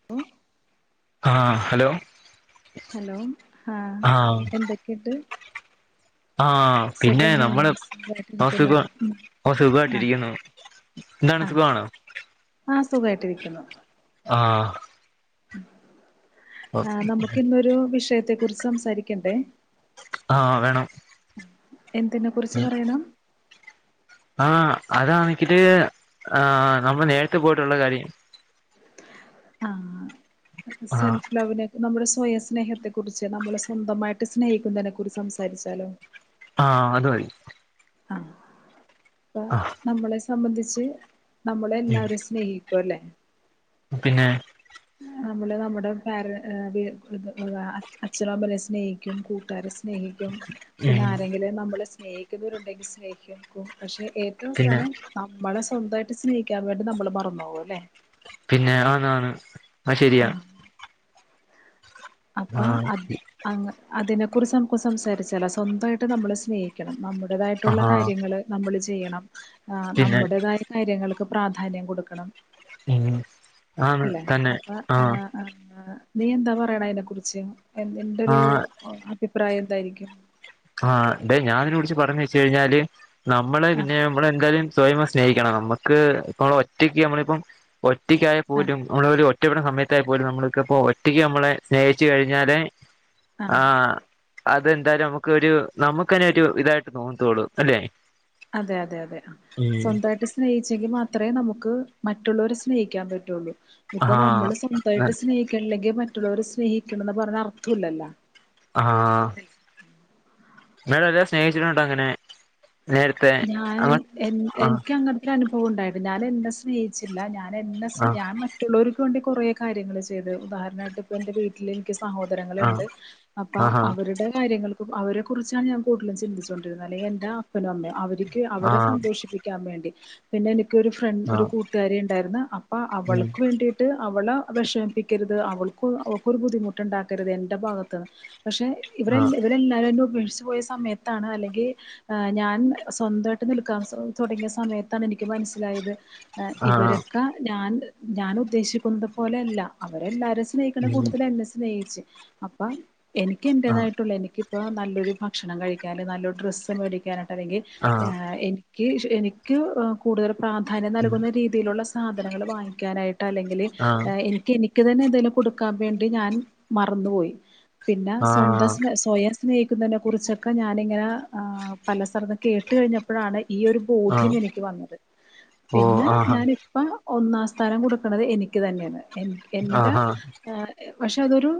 അപ്പം ആഹ് hello hello ആഹ് എന്തൊക്കെണ്ട് ആഹ് പിന്നെ നമ്മള് ആ സുഖ സുഖായിട്ടിരിക്കുന്നോ ഉം ആ സുഖായിട്ടിരിക്കുന്നു എന്താണ് സുഖാണോ? ആഹ് സുഖായിട്ടിരിക്കുന്നു ആഹ് ആഹ് നമുക്ക് ഇന്നൊരു വിഷയത്തെ കുറിച്ച് സംസാരിക്കണ്ടേ ആഹ് വേണം എന്തിനെ കുറിച്ച് പറയണം ആഹ് അതാണിക്കില് ആഹ് നമ്മള് നേരത്തെ പോയിട്ടുള്ള കാര്യ ആഹ് ആഹ് സെൽഫ് ലവ് ലേ നമ്മുടെ സ്വയം സ്നേഹത്തെ കുറിച്ച് നമ്മള് സ്വന്തമായിട്ട് സ്നേഹിക്കുന്നതിനെ കുറിച്ച് സംസാരിച്ചാലോ? ആഹ് അതുമതി ആഹ് അപ്പൊ ആഹ് നമ്മളെ സംബന്ധിച്ച് നമ്മളെ ഉം എല്ലാരും സ്നേഹിക്കും അല്ലേ പിന്നെ ഏഹ് നമ്മള് നമ്മുടെ പേരെഏഹ് അച്ഛനും അമ്മനെ സ്നേഹിക്കും കൂട്ടുകാരെ സ് സ്നേഹിക്കും പിന്നെ ഉം ആരെങ്കിലും നമ്മള് സ്നേഹിക്കുന്നവരുണ്ടെങ്കിൽ സ്നേഹിക്കും പക്ഷെ ഏറ്റവും പിന്നെ അവസാനം നമ്മളെ സ്വന്തായിട്ട് സ്നേഹിക്കാൻ വേണ്ടി നമ്മള് മറന്നോകും അല്ലേ പിന്നെ ആന്നാണ് അഹ് ശരിയാണ് അപ്പം അത് ആഹ് അ അതിനെ കുറിച്ച് നമുക്ക് സംസാരിച്ചാലോ സ്വന്തായിട്ട് നമ്മള് സ്നേഹി ക്കണം നമ്മുടേതായിട്ടുള്ള ആഹ് കാര്യങ്ങള് നമ്മള് ചെയ്യണം ഏഹ് പിന്നെ നമ്മുടേതായ കാര്യങ്ങൾക്ക് പ്രാധാന്യം കൊടുക്കണം ഉം ആണ് അല്ലേ തന്നെ അപ്പൊ ആഹ് ആഹ് നീ എന്താ പറയണ അയ്നെ കുറിച്ച് എന്റെ ഒരു ആഹ് അഭിപ്രായം എന്തായിരിക്കും ആഹ് ഞാൻ ഇതിനെ കുറിച്ച് പറഞ് വെച്ച് കഴിഞ്ഞാല് നമ്മള് ആഹ് പിന്നെ നമ്മള് എന്തായാലും സ്വയമെ സ്നേഹിക്കണം നമുക്ക് ഇപ്പം നമ്മൾ ഒറ്റക്ക് നമ്മളിപ്പം ഒറ്റക്കായ ആഹ് പോലും നമ്മളോല് ഒറ്റപ്പെടുന്ന സമയത്തായപ്പോലും നമ്മൾക്കിപ്പോ ഒറ്റയ്ക്ക് നമ്മളെ സ്നേഹിച്ചു കഴിഞ്ഞാല് ആഹ് അതെന്തായാലും നമുക്ക് ഒരു നമുക്കന്നെ ഒരു ഇതായിട്ട് തോന്നത്തോളൂ അല്ലെ അതെ അതെ അതെ സ്വന്തായിട്ട് സ് സ്നേഹിച്ചെങ്കിൽ മാത്രേ നമുക്ക് മറ്റുള്ളവരെ സ്നേഹിക്കാൻ പറ്റുള്ളൂ ഇപ്പൊ ആഹ് നമ്മള് സ്വന്തായിട്ട് സ്നേഹിക്കണില്ലെങ്കിൽ മറ്റുള്ളവരെ സ്നേഹിക്കണന്ന് പറഞ്ഞ അർത്ഥല്ലല്ലോ ആഹ് മേഡം [unintelligible] സ്നേഹിച്ചിട്ടുണ്ടോ അങ്ങനെ [unintelligible] ഞാൻ അങ്ങ എൻ ആഹ് എനിക്ക് അങ്ങനത്തെ ഒരു അനുഭവം ഉണ്ടായത ഞാൻ എന്നെ സ്നേഹിച്ചില്ല ഞാൻ എന്നെ സ് ആഹ് ഞാൻ മറ്റുള്ളവർക്ക് വേണ്ടി കൊറേ കാര്യങ്ങൾ ചെയ്ത് ഉദാഹരണായിട്ട് ഇപ്പ എന്റെ വീട്ടില് എനിക്ക് സഹോദരങ്ങള് ആഹ് ഉണ്ട് അപ്പൊ ആഹാ അവരുടെ കാര്യങ്ങളും - അപ്പ അവരെ കുറിച്ചാണ് ഞാൻ കൂടുതല് ചിന്തിച്ചൊണ്ടിരുന്നത് അല്ല എന്റെ അപ്പനും അമ്മയും അവർക്ക് അവരെ ആഹ് സന്തോഷിപ്പിക്കും പ്പിക്കാൻ വേണ്ടി പിന്നെ എനിക്ക് ഒരു ഫ്രണ്ട് ഒരു ആഹ് കൂട്ടുകാരി ഉണ്ടായിരുന്നു അപ്പൊ ഉം അവൾക്ക് വേണ്ടിട്ട്- ട്ട് അവളെ വെഷമിപ്പിക്കരുത് അവൾക്ക് അവക്കൊരു ബുദ്ധിമുട്ടുണ്ടാക്കരുത് എൻ്റെ ഭാഗത്ത് നിന്ന് പക്ഷെ ഇവരെ ആഹ് ഇവരെല്ലാരും എന്നെ ഉപേക്ഷിച്ചു പോയ സമയത്താണ് അല്ലെങ്കിൽ ഞാൻ- സ്വന്തമായിട്ട് നിൽക്കാൻ തൊടങ്ങിയ സമയത്താണ് എനിക്ക് മനസ്സിലായത് ഇവരെ- ആഹ് ഞാൻ ഞാൻ ഉദ്ദേശിക്കുന്നത് പോലെയല്ല അവരെല്ലാരും- സ്നേഹിക്കെണ ഉം കൂട്ടത്തില് എന്നെ സ്നേഹിച്ച് അപ്പ എനിക്ക് ആഹ് എന്റേതായിട്ടുള്ള എനിക്ക്- ഇപ്പ നല്ലൊരു ഭക്ഷണം കഴിക്കാൻ അല്ലെങ്കിൽ നല്ലൊരു ഡ്രസ്സ് മേടിക്കാനായിട്ട് അല്ലെങ്കിൽ ആഹ് എനിക്ക് എനിക്ക്- എനിക്ക് കൂടുതല് പ്രാധാന്യം ഉം നൽകുന്ന രീതിയിലുള്ള സാധനങ്ങൾ വാങ്ങിക്കാനായിട്ട്- അല്ലെങ്കില് ആഹ് എനിക്ക് എനിക്ക് തന്നെ എന്തേലും കൊടുക്കാൻ വേണ്ടി ഞാൻ മറന്നുപോയി പിന്നെ ആ സ്വന്തം സ് സ്വയം സ്നേഹിക്കുന്നതിനെ കുറിച്ചൊക്കെ ഞാനിങ്ങനെ പല സ്ഥല- കേട്ടു കഴിഞ്ഞപ്പോഴാണ് ഈ ഒരു ആ ബോധ്യം എനിക്ക് വന്നത് ഓ പിന്നെ ആഹാ ഞാന് - അപ്പം ഒന്നാം സ്ഥാനം കൊടുക്കണത് എനിക്ക് തന്നെയാണ് എൻ എൻ്റെ ആഹാ ആ - പക്ഷെ അതൊരു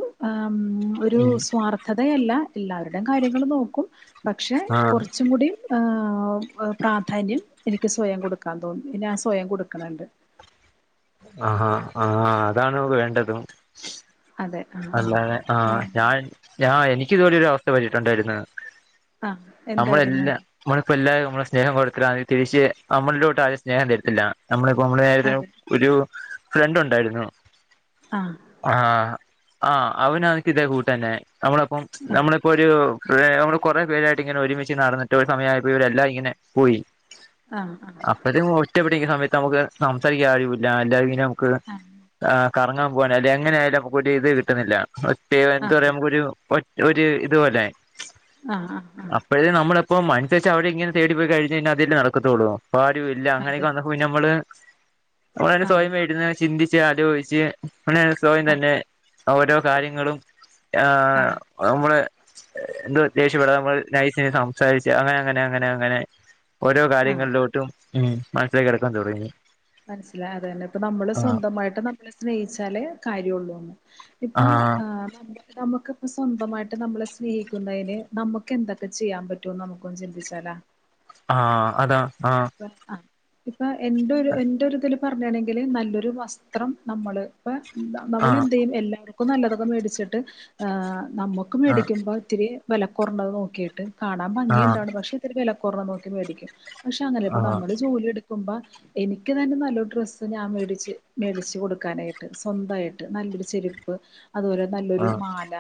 ഒരു ഉം സ്വാർഥ- ധതയല്ല എല്ലാവരുടെയും കാര്യങ്ങള് നോക്കും പക്ഷെ ആ കൊറച്ചും കൂടി- ആഹ് പ്രാധാന്യം എനിക്ക് സ്വയം കൊടുക്കാൻ തോനും സ്വയം കൊടുക്കണണ്ട് ആഹാ ആ അതാണ് വേണ്ടതും അതെ ആ അല്ലാതെ ആ ആഹ് ഞാൻ ഞാ എനിക്ക് ഇതുപോലെ ഒരു അവസ്ഥ പറ്റിട്ടുണ്ടായിരുന്നു ആ ആ നമ്മള് എന്തായിരുന്നു എല്ലാം- നമ്മളിപ്പോ എല്ലാവരും നമ്മള് സ്നേഹം കൊടുത്തിട്ട് തിരിച്ച് നമ്മളിലോട്ട് ആ സ്നേഹം തരിത്തില്ല നമ്മളിപ്പോ നമ്മടെ നേ [unintelligible] ര അതെ ഒരു ഫ്രണ്ട് ഉണ്ടായിരുന്നു ആഹ് ആഹ് ആ അവന് ആണെങ്കി ഇതേ കൂട്ട് തന്നെ നമ്മളിപ്പം നമ്മളിപ്പോരു- നമ്മള് കൊറെ പേരായിട്ടിങ്ങനെ ഒരുമിച്ച് നടന്നിട്ട് ഒരു സമയവായപ്പോ ഇവരെല്ലാം ഇങ്ങനെ പോയി ആഹ് ആഹ് അത് ഒറ്റപ്പെടിരിക്കുന്ന സമയത്ത് നമുക്ക് സംസാരിക്കാൻ ആരുവില്ല അല്ലെങ്കി നമുക്ക് ആ ആ ആ- കറങ്ങാൻ പോകാന് അല്ല എങ്ങന ആയാലും ഒര് ഇത് കിട്ടുന്നില്ല ഒറ്റ ആ എന്താ പറയാ നമുക്ക് ഒരു- ഒരു ഇതുപോലെ- ആഹ് ആഹ് ആഹ് അപ്പഴ് നമ്മളപ്പോ അനുസരിച്ച് അവരെ ഇങ്ങനെ തേടി പോയി കഴിഞ്ഞ്ഴിഞ്ഞാൽ അത് തന്നെ നടക്കത്തോള്ളൂ ഇപ്പൊ ആരും ഇല്ല അങ്ങനൊക്കെ അതെ വന്ന- അപ്പൊ പിന്നെ നമ്മള് നമ്മള് തന്നെ ആ സ്വയം ഇരുന്ന് ചിന്തിച്ച് ആധി പിടിച്ച് - അ [unintelligible] സ്വയം ആ തന്നെ ഓരോ കാര്യങ്ങളും ആ നമ്മള്- എന്താ ദേഷ്യപ്പെടാതെ നമ്മള് നൈസിനെ സംസാരിച്ച് അങ്ങനെ അങ്ങനെ അങ്ങനെ അങ്ങനെ ഓരോ ആ കാര്യങ്ങളിലോട്ടും ഉം മനസ്സിലേക്ക് എടുക്കാൻ തുടങ്ങി മനസ്സിലായി അത് തന്നെ ഇപ്പ നമ്മള് ആഹ് സ്വന്തമായിട്ട് നമ്മളെ സ്നേഹിച്ചാലേ കാര്യമുള്ളൂന്ന് ഇപ്പ ആഹ് അത് അങ്ങനെ നമുക്കിപ്പം സ്വന്തമായിട്ട് നമ്മളെ സ്നേഹിക്കുന്നതിന് നമുക്ക് എന്തൊക്കെ ചെയ്യാൻ പറ്റോന്ന് നമുക്കൊന്ന് ചിന്തിച്ചാലാ ആഹ് അതാ ആഹ് ആഹ് ഇപ്പൊ എന്റെ ഒരു എന്റെ ഒരു ഇതില് പറഞ്ഞയാണെങ്കില് നല്ലൊരു വസ്ത്രം നമ്മള്- അപ്പൊ നമ്മള് ആഹ് എന്ത് ചെയ്യും എല്ലാവർക്കും നല്ലതൊക്കെ മേടിച്ചിട്ട് നമ്മുക്ക് ആഹ് മേടിക്കുമ്പോ - ഇത്തിരി വെലക്കുറഞ്ഞത് നോക്കിയിട്ട് കാണാൻ ആഹ് ഭംഗിയുണ്ടാവാണം പക്ഷ ഇത്തിരി വെലക്കുറഞ്ഞത് നോക്കി മേടിക്കും പക്ഷേ അങ്ങനെ ഇപ്പ നമ്മള് ജോലി എടുക്കുമ്പോ- എനിക്ക് തന്നെ നല്ലൊരു ഡ്രസ്സ് ഞാൻ മേടിച്ച് മേടിച്ചു കൊടുക്കാനായിട്ട് സ്വന്തായിട്ട് നല്ലൊരു ചെരുപ്പ്- അതുപോലെ നല്ലൊരു ആഹ് ആഹ് മാല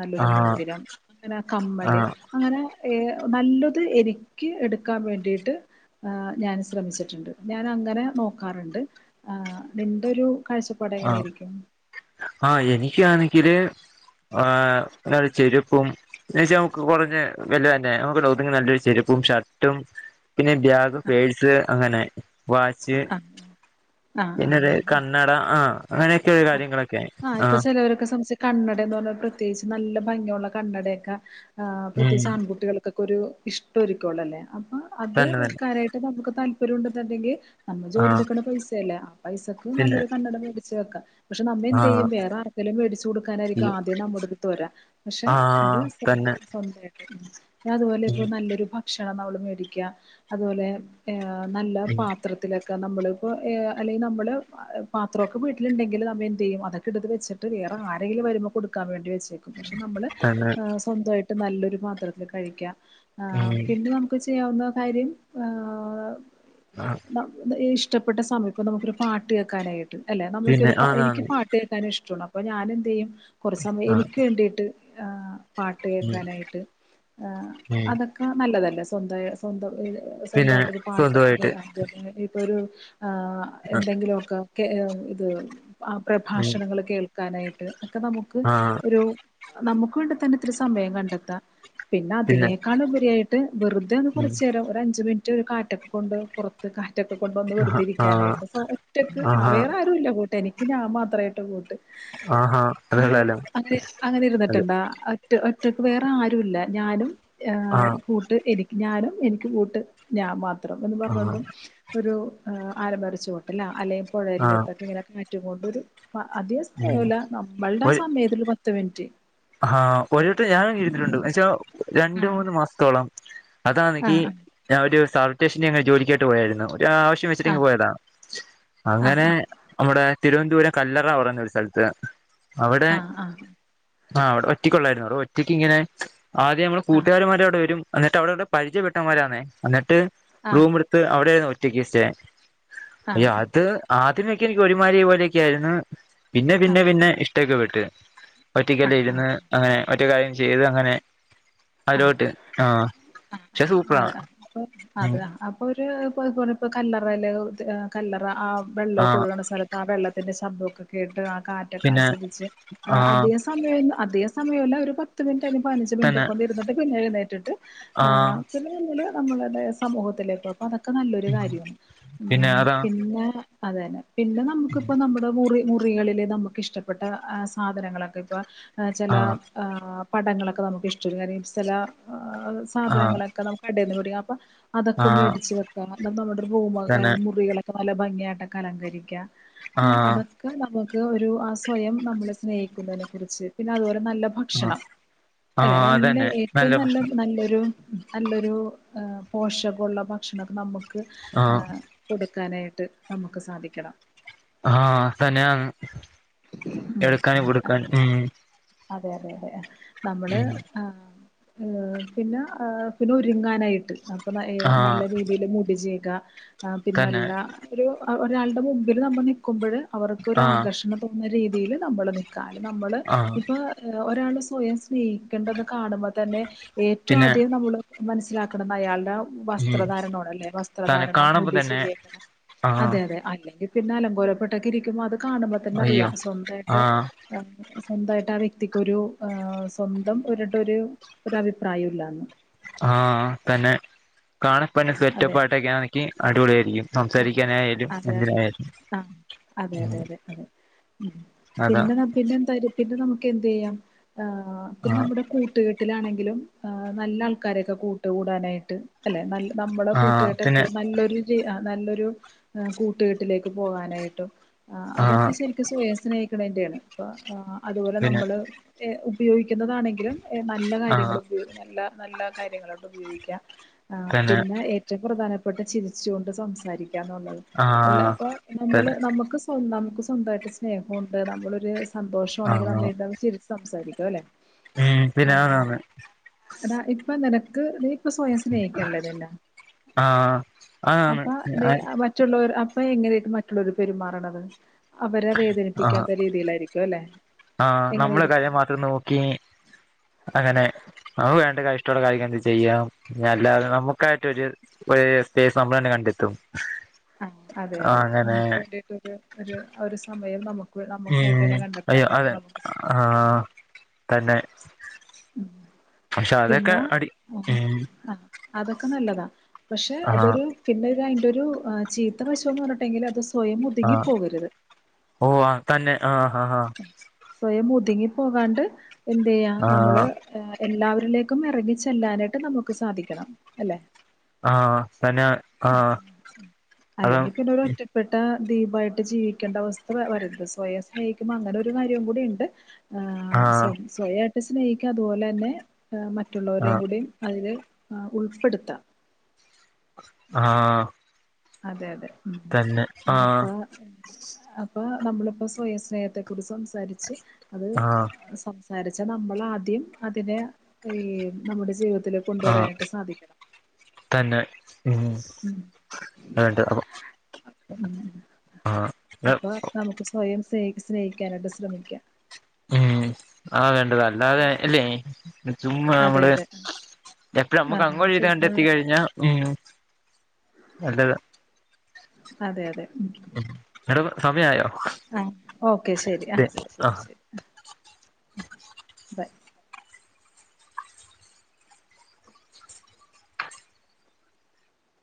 നല്ലൊരു ആഹ് മോതിരം അങ്ങനെ കമ്മല് ആഹ് അങ്ങനെ എ നല്ലത് എനിക്ക് എടുക്കാൻ വേണ്ടിയി ട്ട് ഏഹ് ഞാൻ ശ്രമിച്ചിട്ടുണ്ട് ഞാനങ്ങനെ നോക്കാറുണ്ട് ആഹ് നിന്റെ ഒരു കാഴ്ചപ്പാട് ആഹ് എങ്ങനെയായിരിക്കും ആഹ് എനിക്കാണെങ്കില് ആഹ് ചെരുപ്പും ന്നേച്ചാ നമുക്ക് കുറഞ്ഞ വില തന്നെ നമുക്കോതുങ്ങുന്ന നല്ലൊരു ചെരുപ്പും ഷർട്ടും പിന്നെ ബാഗ് പേഴ്സ് അങ്ങനെ വാച്ച് ആ ആ ആ പിന്നെര് കണ്ണട ആഹ് അങ്ങനെയൊക്കെ കാര്യങ്ങളൊക്കെ ആഹ് [unintelligible] കണ്ണടന്തോന്ന് പ്രത്യേകിച്ച് നല്ല ഭംഗിയുള്ള കണ്ണടയൊക്കെ ആഹ് ഉം പ്രത്യേകിച്ച് ആൺകുട്ടികൾ ക്കെ ഒരു ഇഷ്ട്ടൊരിക്കുള്ളല്ലേ അപ്പൊ അത് തന്നെ തന്നെ വെക്കാനായിട്ട് നമുക്ക് താല്പര്യം ഉണ്ടെന്നുണ്ടെങ്കിൽ നമ്മൾ ആഹ് ജോലിെടുക്കുന്ന പൈസയല്ലേ ആ പൈസക്ക് പിന്നെ നല്ലൊരു കണ്ണട മേടിച്ചു വെക്കാം പക്ഷെ നമ്മെന്ത് ആഹ് ചെയ്യും വേറെ ആർക്കങ്കിലും മേടിച്ചുടുക്കാനായിരിക്കും ആദ്യം നമ്മുടെ ഒരു തൊര ആഹ് തന്നെ സ്വന്തയിട്ട് ഞാ അതുപോലെ ഇപ്പൊ ഉം നല്ലൊരു ക്ഷണം നമ്മള് മേടിക്ക അതുപോലെ നല്ല ഉം പാത്രത്തില് ക്കെ നമ്മളിപ്പോ ഏഹ് അല്ലെ നമ്മള് പാത്രോക്കെ വീട്ടിലുണ്ടെങ്കില് ന വെന്റെയ്യു അതൊക്കെ എടുത്ത് വെച്ചിട്ട് വേറെ ആരെങ്കിലും വരുമ്പോ കൊടുക്കാൻ വേണ്ടി വെച്ചേക്കും പക്ഷേ നമ്മള് തന്നെ ഏഹ് സ് സ്വന്തായിട്ട് നല്ലൊരു പാത്രത്തിൽ കഴിക്കാം ഏഹ് ഉം പിന്നെ നമു മുക്ക് ചെയ്യാവുന്ന കാര്യം ആഹ് ആഹ ഇഷ്ടപ്പെട്ട സമയപ്പം നമുക്കൊരു പാട്ട് കേൾക്കാനായിട്ട് അല്ലെ പിന്നെ നമുക്കൊരു ആന്നാന്ന് ട്ട്കേക്കാൻ ഇഷ്ടണ് അപ്പോ ഞാന് എന്തയ്യും കുറെ സമയം ആഹ് എനിക്ക് വേണ്ടിയിട്ട് പാട്ട് ഉം കേൾക്കാനായിട്ട് ഉം അതൊക്കെ ഏഹ് നല്ലതല്ല സ്വന്ത സ്വന്തം പിന്നെ സ്വന്തമായിട്ടൊരു പാട്ട് സ്വന്തമായിട്ട് അതുന്നെ ഇതോ ഒരു ആഹ് എന്തെങ്കിലോക്കെ ക്കെ ഇത് അ ഉം പ്രഭാഷണങ്ങൾ കേൾക്കാനായിട്ട് ഒക്കെ നമുക്ക് ആ ഒരു നമുക്ക് വേണ്ടി തന്നെ ഇത്തിരി സമയം കണ്ടെത്താം പിന്നെ അതിനേക്കാള് ഉപരിയായിട്ട് വെറുതെന്ന് ഉം കുറച്ചേരം ഒരു അഞ്ചു മിനിറ്റ് ഒരു കാറ്റൊക്കെ കൊണ്ട് പൊറ ത്ത് കാറ്റൊക്കെ കൊണ്ട് ഒന്ന് ആഹ ആ വെറുതെയിരിക്കാനായിട്ട് സൊ ഒറ്റക്ക് ആ ആഹാ വേറെ ആരുല്ല കൂട്ടന് ക്ക് ഞാൻ മാത്ര ആയിട്ട കൂട്ട് ആഹാ അങ്ങ അതേള്ളല്ലോ അങ്ങനെ അങ്ങനെ അതെ ഇരുന്നിട്ടുണ്ടാ റ്റ് ഒറ്റക്ക് വേറെ ആരുല്ല ഞാനും ആ ഏഹ് കൂട്ട് എനിക്ക് ഞാനും എനിക്ക് കൂട്ട് ഞാൻ മാത്രം എന്ന് ആ പറഞ്ഞ കൊണ്ടും ഒരു ആലമരിച്ചുവോട്ടില അല്ലെ ആ പുഴയരികത്തൊക്കെ ഇങ്ങനെയൊക്കെ കാറ്റും കൊണ്ടൊരു അതിക ഉം സമയമല്ല നമ്മളുടെ ആ സമയത്തര് പ ത്ത്മിനിറ്റ് ആഹ് [unintelligible] പഷേ രണ്ട് ആഹ് മൂന്ന് മാസ്ത്തോളം അതാണെങ്കി ആഹ് ഞാ ഒരു സർട്ടേഷന്റെ അങ്ങനെ ജോലിക്കയിട്ട് പോയായിരുന്നു ഒരാവ്ഷ് [unintelligible] വെച്ചിട്ടിങ് ആഹ് പോയതാ ആഹ് അങ്ങനെ അവിടെ തിരുവനന്തപുരം കല്ലറ പറയുന്ന ഒരു സ്ഥലത്ത് ആഹ് ആഹ് ആഹ് അവിടെ ഒറ്റക്കുള്ളായിരുന്നു അവിടെ ഒറ്റയ്ക്ക് ഇങ്ങനെ ആദ്യം നമ്മള് ആഹ് കൂട്ടുകാർമാരെവിടെ വരും ന്നട്ട് അവിടെവിടെ പരിചയപ്പെട്ടവ ന്മാരന്നേ എന്നിട്ട് ആഹ് റൂം എടുത്ത് അവിടെ ഒറ്റയ്ക്ക് സ്റ്റെ ആഹ് ആഹ് അയ്യോ അത് ആദ്യമൊക്കെ എനിക്ക് ഒഴിമാരി പോലെയൊക്കെ ആയിരുന്നു പിന്നെ ആഹ് പിന്നെ പിന്നെ ഇഷ്‌ റ്റക്ക് വിട്ട് ആഹ് ഒറ്റക്കല്ലാം ആഹ് ഇരുന്ന് അങ്ങനെ ഒറ്റ കാര്യം ചെയ്ത് അങ്ങനെ ആഹ് അയ്ലോട്ട് ആഹ് പക്ഷേ ആഹ് സൂപ്പറാ ആഹ് അതെ അപ്പൊ ഉം അതെ അപ്പൊ ഒരു ഇപ്പഹ് പോലെ പ്പൊ കല്ലറ അല്ലെ ഏഹ് കല്ലറ ആ ആ വെള്ളൊക്കെ കൊഴുകണ സ്ഥലത്ത് ആ വെള്ളത്തിന്റെ ശബ്ദോക്കെ കേട്ട് ആ കാറ്റൊക്കെ പിന്നെ ആസ്വദിച്ച് ആ അധികം സമയം അതികം സമയല്ല ഒരു പത്ത് മിൻറ്റ് അല്ലേങ്കി പതിനഞ്ച് മിൻറ്റ് തന്നെ ഇരിന്നിട്ട് പിന്നെ എഴുന്നേറ്റിട്ട് ആ പിന്നെ [unintelligible] നമ്മളെ സമൂഹത്തിലേക്ക് അപ്പ അതൊക്കെ നല്ലൊരു കാര്യാണ് പിന്നെ ഉം അതാ പിന്നെ അതെന്നെ പിന്നെ നമുക്ക്പ്പ നമ്മുടെ മുറി മുറികളില് നമ്മക്ക് ഇഷ്ടപ്പെട്ട സാധനങ്ങളൊക്കെ ഇപ്പ ആ ചെലെ പടങ്ങളൊക്കെ നമുക്ക് [unintelligible] ആ സാധനങ്ങളൊക്കെ നമുക്ക് കടെന്ന് [unintelligible] അപ്പ അതൊക്കെ ആ മേടിച്ച് വെക്ക നമ്മുടെ റൂമ് തന്നെ മുറികളൊക്കെ നല്ല ഭംഗിയായിട്ടൊക്കെ അലങ്കരിക്ക ആ ഏഹ് അത ക്ക് നമക്ക് ഒരു ആഹ് സ്വയം നമ്മളെ സ്നേഹിക്കുന്നതിനെ കുറിച്ച് പിന്നെ അതുപോലെ നല്ല ഭക്ഷണം ആഹ് അല്ലെ നല്ല ഏറ്റവും നല്ല നല്ലൊരു നല്ലൊരു പോഷക ഒള്ള ഭക്ഷണക്കെ നമ്മക്ക് ആ ഏഹ് കൊടുക്കാനായിട്ട് നമ്മക്ക് സാധിക്കണം ആഹ് തന്നെയാ ഉം എടുക്കാന് കൊടുക്കാന് അതെ അതെ അതെ നമ്മള് ഉം ആഹ് ഏഹ് പിന്നെ പിന്നെ ഉരുങ്ങാനായിട്ട് അപ്പന്നാ ഏഹ് ആഹ് നല്ല രീ [unintelligible] തന്നെ പിന്നല്ല ഒരു ഒരാളുടെ മുമ്പില് നമ്മള് നിക്കുമ്പഴ് അവറ് ക്കൊരു ആഹ് ആകർഷണം തോന്നുന്ന രീതില് നമ്മള് നിക്കാ അല്ലേങ്കി നമ്മള് ആഹ് ഇപ്പൊ ഒരാള് സ്വയം സ്നേഹിക്കേണ്ടന്ന് കാണുമ്പ തന്നെ ഏറ്റവും പിന്നെ അധികം നമ്മള് മനസ്സിലാക്കണംന്ന് അയാൾടെ ഉം വസ്ത്രധാരണോട് അല്ലേ തന്നെ വസ്ത്രധാരണം കാണുമ്പോ മുടി തന്നെ ചീകിയക്കെ [unintelligible] ആഹ് അതെ അതെ അല്ലെങ്കി പിന്നെ അലങ്കോലപ്പെട്ടൊക്കെ ഇരിക്കുമ്പോ അത് കാണുമ്പോ തന്നെ അറിയാ അയ്യോ സ്വന്തായിട്ട് ആഹ് സ്വന്തായി ട്ടാ ആ വ്യക്തിക്കോരു സ്വന്തം ഒര് ട്ടോരു ഒരു അഭിപ്രായുല്ലാന്ന് ആഹ് തന്നെ കാണപ്പന്നെ അതെ അതെ സെറ്റപ്പായിട്ടൊക്കയാനിക്ക് അടിപൊളിയായിരിക്കും ആ, സംസാരിക്കാനായാലും അതെ എന്തിനായാലും ആഹ് അതെ ഉം അതെ അതെ അതെ ഉം അതാ പിന്നെ ന പിന്നെ എന്തായാലും പിന്നെ നമുക്ക് എന്തെയ്യാ പിന്നെ ആഹ് നമ്മുടെ കൂട്ടുകെ ട്ട്ലാണെങ്കിലും നല്ല ആൾക്കാരെയൊക്കെ കൂട്ട്കൂടാനായിട്ട് അല്ലെ നല്ല നമ്മുടെ ആഹ് കൂട്ടുകെട്ട് പിന്നെ എപ്പഴും നല്ലൊരു ജീ നല്ലൊരു കൂട്ടുകെട്ടിലേക്ക് പോകാനായിട്ടും ആഹ് അതൊക്കെ ശെരി സ്വയം സ്നേഹിക്ക്ണേന്റെയാണ് പ്പോ അതുപോലെ പിന്നെ നമ്മള് ഉപയോഗിക്കുന്നതാണെങ്കിലും ഏഹ് നല്ല ആഹ് കാര്യങ്ങള് [unintelligible] നല്ല നല്ല കാര്യങ്ങളൊട്ട് ഉപയോഗിക്ക തന്നെ പിന്നെ റ്റവും പ്രധാനപ്പെട്ട് ചിരിച്ചു കൊണ്ട് സംസാരിക്കാന്നുള്ളത് അല്ല ആഹ് ഇപ്പ നമ്മള് തന്നെ നമ്മക്ക് സ്വന്താ നമുക്ക് സ്വന്തായിട്ട് സ്നേഹണ്ട് നമ്മളൊരു സന്തോഷമാണെങ്കി ആഹ് നമ്മള് [unintelligible] അല്ലേ ഉം പിന്നെ ആന്നാന്ന് ആഹ് ദാ ഇപ്പ നിനക്ക് നീ ഇപ്പം സ്വയം സ്നെക്കല്ലേ ഇതെല്ലാം ആഹ് ആഹ് ആണ് [unintelligible] മറ്റുള്ളോരെ അപ്പ എങ്ങനെ ഇത് മറ്റുള്ളോരെ പെരുമാറ്ണത് അവരെ ആഹ് വേദനിപ്പിക്കാത്ത രീതിയിലായി ക്യോല്ലേ ആഹ് നമ്മള കാര്യം മാത്രം നോക്കിനി അങ്ങനെ [unintelligible] എന്ത ചെയ്യാ ഞല്ലാതെ നമുക്കായിട്ട് ഒരു [unintelligible] നമ്മളന്നെ കണ്ടെത്തും ആഹ് അതെ അതെ അങ്ങനെ നമുക്ക് വേണ്ടിട്ടോരു ഒരു ഒരു സമയം നമു ഉം അയ്യോ അതെ ശ്രമിക്കണം ആഹ് തന്നെ ഉം പക്ഷെ അതൊക്കെ പിന്നാ അടി ഉം [unintelligible] അതൊക്കെ നല്ലതാ പക്ഷെ ആ അതൊരു പിന്നെ ഇത് അയിന്റൊരു ചീത്ത വശംന്ന് പറഞ്ഞിട്ടെങ്കിലും അത് സ്വയം ഒതുങ്ങി പോകര്ത് ഓഹ് ആഹ് തന്നെ ആഹ് ആഹ് സ്വയം ഒത്ങ്ങി പോകാണ്ട് എന്തെയ്യാ ആ നമ്മള് ഏ എല്ലാവരിലേക്കും എറങ്ങി ചെല്ലാനായിട്ട് നമുക്ക് സാധിക്കണം അല്ലേ ആഹ് തന്നെ ആ അത അല്ലെങ്കി പിന്നൊര് ഒറ്റ പ്പെട്ട ദീപായിട്ട് ജീവിക്കേണ്ട അവസ്ഥ വ വരര്ത് സ്വയം സ്നേഹിക്ക്മ്പോ അങ്ങനൊര് കാര്യം കൂടിം ഇണ്ട് ആ സ്വ സ്വയായിട്ട് സ്നേഹിക്ക അത്പോലെന്നെ ആ മറ്റുള്ളവരേ കൂടിം അയില് ആഹ് ഉൾപ്പെടുത്താ ആഹ് അതെ അതെ ഉം ആ അപ്പൊ അപ്പൊ നമ്മളിപ്പോ സ്വയം സ്നേഹത്തെ കുറിച്ച് സംസാരിച്ച് അത് ആ സ സംസാരിച്ചാ നമ്മളാദ്യം അതിനെ ഈ നമ്മുടെ ജീവിതത്തിലേക്ക് ആ കൊണ്ടുവരാനായിട്ട് സാധിക്കണം തന്നെ ഉം ഉം അതുണ്ട് അപ്പൊ ഉം ആ അപ്പൊ നമുക്ക് സ്വയം സ്നേ സ്നേഹിക്കാനായിട്ട് ശ്രമിക്കാ ഉം അതാ വേണ്ടത് അല്ലാതെ അല്ലേ ചുമ്മാ അതെ നമ്മള് അതെ എപ്പളും ആ നമ്മുക്ക് അങ്ങോട്ട് ചെയ്ത ചുമ്മാ കണ്ടെത്തി കഴിഞ്ഞാ [unintelligible] നല്ലതാ അതെ അതെ ഉം ഉം ഇന്നെട്ട്പ്പൊ സമയായോ ആഹ് ഓക്കെ ശരി ആഹ് ശരി ശരി ബൈ